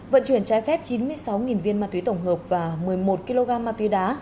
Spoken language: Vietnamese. vận chuyển trái phép chín mươi sáu viên ma túy tổng hợp và một mươi một kg ma túy đá